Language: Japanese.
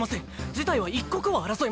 事態は一刻を争います。